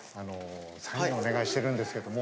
サインお願いしてるんですけども。